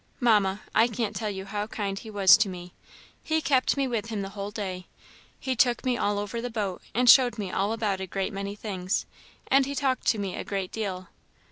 Mamma, I can't tell you how kind he was to me. He kept me with him the whole day. He took me all over the boat, and showed me all about a great many things, and he talked to me a great deal.